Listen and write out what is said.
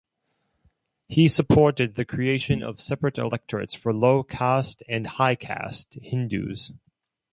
He supported the creation of separate electorates for low caste and high caste Hindus.